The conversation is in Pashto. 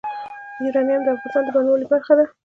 یورانیم د افغانستان د بڼوالۍ برخه ده.